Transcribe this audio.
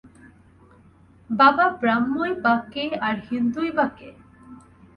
বাবা, ব্রাহ্মই বা কে আর হিন্দুই বা কে।